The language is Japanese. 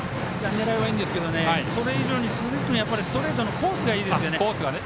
狙いはいいんですけどそれ以上に鈴木君、ストレートのコースがいいですよね。